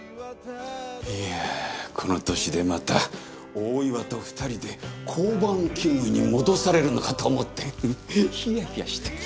いやこの歳でまた大岩と２人で交番勤務に戻されるのかと思ってヒヤヒヤした。